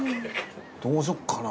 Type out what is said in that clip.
どうしよっかな。